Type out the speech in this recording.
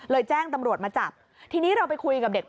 เลยแจ้งตำรวจมาจับทีนี้เราไปคุยกับเด็กปั๊มบ้างค่ะ